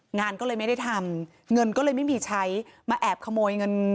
งานก็เลยไม่ได้ทำเงินก็เลยไม่มีใช้มาแอบขโมยเงิน